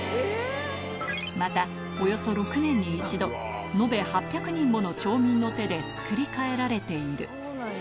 またおよそ６年に１度、延べ８００人もの町民の手で作り替えられている。